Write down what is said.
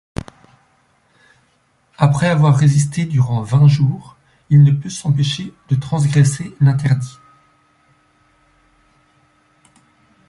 Après avoir résisté durant vingt jours, il ne peut s’empêcher de transgresser l’interdit.